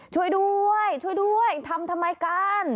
ช่วยด้วยทำทำไมกัน